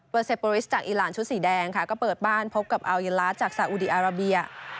เซโปริสจากอีหลานชุดสีแดงค่ะก็เปิดบ้านพบกับอัลยลาสจากสาอุดีอาราเบีย